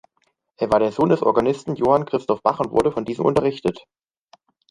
Er war der Sohn des Organisten Johann Christoph Bach und wurde von diesem unterrichtet.